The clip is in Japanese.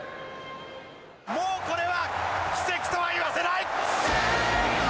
もうこれは奇跡とは言わせない。